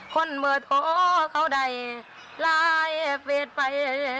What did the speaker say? คนมือโตเขาใดหลายฟัดไฟ